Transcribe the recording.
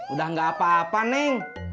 udah gak apa apa neng